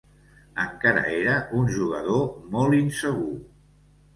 Encara era un jugador molt insegur.